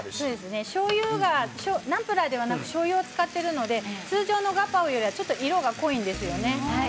ナムプラーではなくしょうゆを使っているので通常のガパオよりはちょっと色が濃いんですよね。